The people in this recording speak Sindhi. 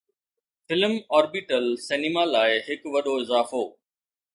فلم-orbital سئنيما لاء هڪ وڏو اضافو